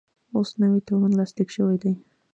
اوس نوی تړون لاسلیک شوی دی.